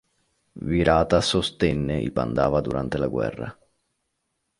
Virata sostenne i Pandava durante la guerra.